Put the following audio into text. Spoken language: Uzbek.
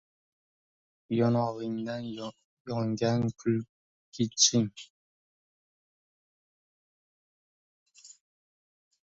Yonog‘ingda yongan kulguching